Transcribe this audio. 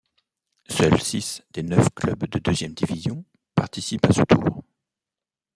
Seuls six des neuf clubs de deuxième division participent à ce tour.